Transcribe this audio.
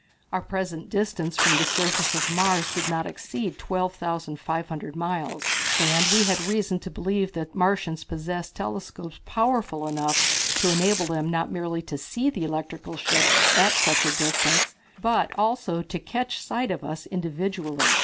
Our present distance from the surface of Mars did not exceed 12,500 miles, and we had reason to believe that Martians possessed telescopes powerful enough to enable them not merely to see the electrical ships at such a distance, but to also catch sight of us individually.